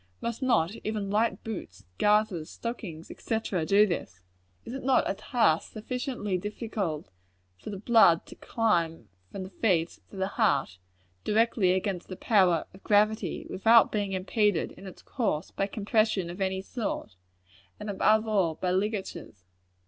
Must not even light boots, garters, stockings, &c., do this? Is it not a task sufficiently difficult for the blood to climb from the feet to the heart, directly against the power of gravity, without being impeded, is its course, by compression of any sort and above all, by ligatures.